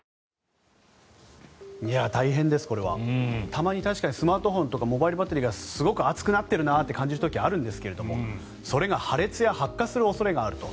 たまに確かにスマートフォンとかモバイルバッテリーがすごく熱くなっているなと感じる時あるんですがそれが破裂や発火する恐れがあると。